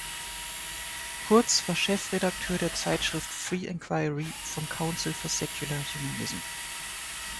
Kurtz war Chefredakteur der Zeitschrift Free Inquiry vom "Council for Secular Humanism".